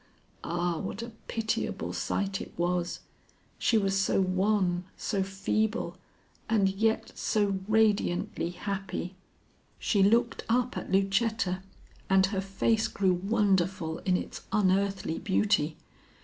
Ah! what a pitiable sight it was! She was so wan, so feeble, and yet so radiantly happy. "She looked up at Lucetta, and her face grew wonderful in its unearthly beauty.